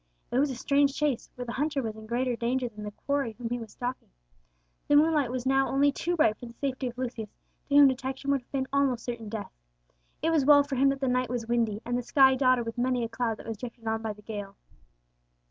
It was a strange chase, where the hunter was in greater danger than the quarry whom he was stalking! The moonlight was now only too bright for the safety of Lucius, to whom detection would have been almost certain death. It was well for him that the night was windy, and the sky dotted with many a cloud that was drifted on by the gale.